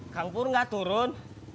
kangpur ga turun